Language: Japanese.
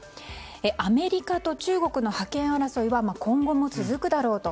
アメリカと中国の覇権争いは今後も続くだろうと。